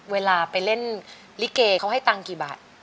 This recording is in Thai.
เวลาไปเล่นลิเกเขาให้ตังค์กี่บาท